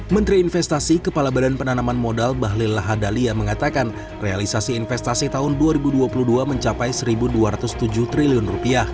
menteri investasi kepala badan penanaman modal bahlil lahadalia mengatakan realisasi investasi tahun dua ribu dua puluh dua mencapai rp satu dua ratus tujuh triliun